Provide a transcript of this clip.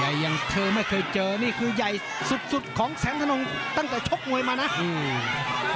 แต่อย่างเธอไม่เคยเจอนี่คือใหญ่สุดสุดของแสนธนงตั้งแต่ชกมวยมานะอืม